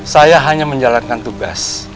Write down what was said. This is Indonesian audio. saya hanya menjalankan tugas